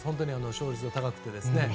勝率も高くて。